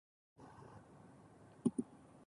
うなぎ